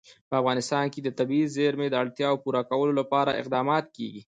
په افغانستان کې د طبیعي زیرمې د اړتیاوو پوره کولو لپاره اقدامات کېږي.